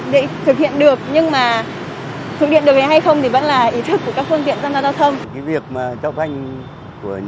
để thực hiện được nhưng mà thực hiện được hay không thì vẫn là ý thức của các phương tiện giao thông